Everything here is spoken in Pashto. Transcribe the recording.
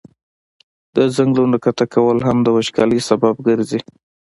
د ځنګلونو قطع کول هم د وچکالی سبب ګرځي.